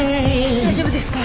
大丈夫ですか？